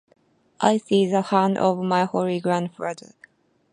I see the hand of my holy grandfather.